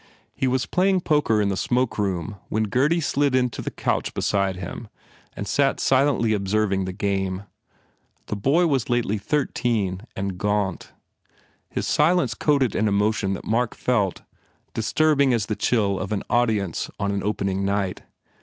He was 92 PENALTIES playing poker in the smoke room when Gurdy slid into the couch beside him and sat silently observing the game. The boy was lately thirteen and gaunt. His silence coated an emotion that Mark felt, disturbing as the chill of an audience on an opening night.